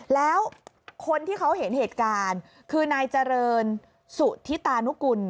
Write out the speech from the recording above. แล้วคนที่เขาเห็นเหตุการณ์คือนายเจริญสุธิตานุกุล